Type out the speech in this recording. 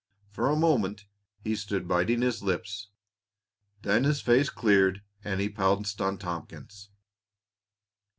For a moment he stood biting his lips; then his face cleared and he pounced on Tompkins.